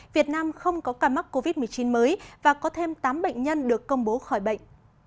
việt nam không có ca mắc covid một mươi chín mới và có thêm tám bệnh nhân được công bố khỏi bệnh